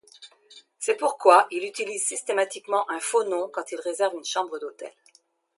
C’est pourquoi il utilise systématiquement un faux nom quand il réserve une chambre d’hôtel.